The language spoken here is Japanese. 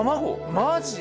マジ？